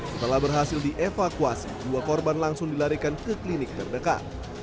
setelah berhasil dievakuasi dua korban langsung dilarikan ke klinik terdekat